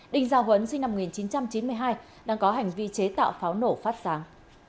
đinh gia huấn sinh năm một nghìn chín trăm chín mươi hai đang có hành vi chế tạo pháo nổ phát sáng